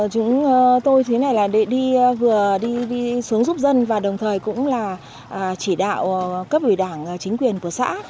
chúng tôi thế này là để đi vừa đi xuống giúp dân và đồng thời cũng là chỉ đạo cấp ủy đảng chính quyền của xã